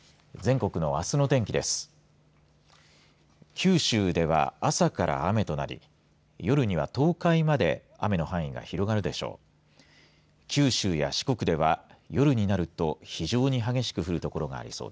九州では朝から雨となり夜には東海まで雨の範囲が広がるでしょう。